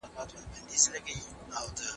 په کومو لارو بايد يو کار ښه وګڼو بل بد .